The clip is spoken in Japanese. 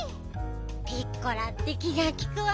ピッコラって気がきくわね。